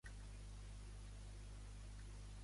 El meu fill es diu Tiago: te, i, a, ge, o.